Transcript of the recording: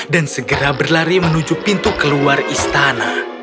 dan segera berlari menuju pintu keluar istana